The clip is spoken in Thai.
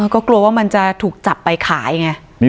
ก็กลัวว่ามันจะถูกจับขายเนี่ย